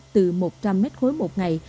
từ một trăm linh m khối một ngày